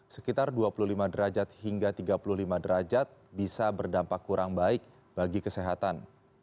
sekitar dua puluh lima derajat hingga tiga puluh lima derajat bisa berdampak kurang baik bagi kesehatan